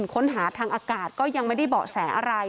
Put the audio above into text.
ค้นหาทางอากาศก็ยังไม่ได้เบาะแสอะไร